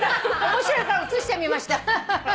面白いから映してみました。